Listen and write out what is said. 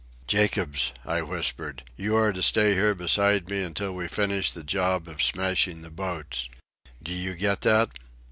"Jacobs," I whispered, "you are to stay here beside me until we finish the job of smashing the boats. Do you get that?"